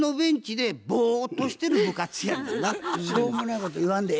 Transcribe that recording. しょうもないこと言わんでええ。